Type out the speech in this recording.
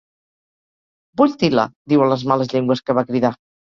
"Vull til·la" —diuen les males llengües que va cridar.